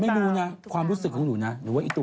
ไม่มีไม่มีใครเหรอตอนนี้เหรอ